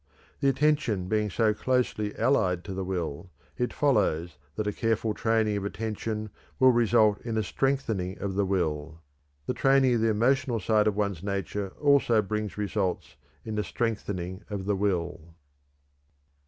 The attention being so closely allied to the will, it follows that a careful training of attention will result in a strengthening of the will. The training of the emotional side of one's nature also brings results in the strengthening of the will.